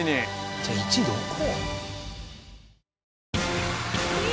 じゃあ１位どこ？